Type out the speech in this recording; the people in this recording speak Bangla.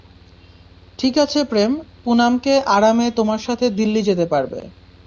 ঠিকাছে প্রেম, পুনামকে আরামে তোমার সাথে দিল্লি যেতে পারবে।